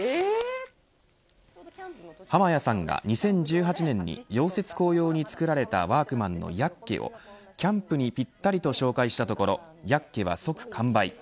濱屋さんが２０１８年に溶接工用に作られたワークマンのヤッケをキャンプにぴったりと紹介したところヤッケは即完売。